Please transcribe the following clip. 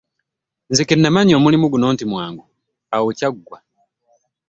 Nze ke nnamanya omulimu guno nti mwangu awo kyaggwa.